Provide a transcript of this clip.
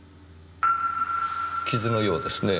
傷のようですね。